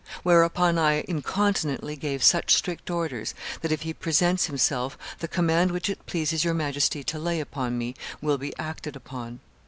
Whereupon I incontinently gave such strict orders, that, if he presents himself, the command which it pleases your Majesty to lay upon me will be acted upon.